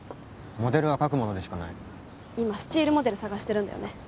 モデルは描くものでしかない今スチールモデル探してるんだよね